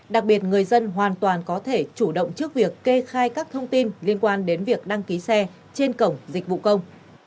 đặc biệt người dân hoàn toàn có thể chủ động trước việc kê khai các thông tin liên quan đến việc đăng ký xe trên cổng dịch vụ công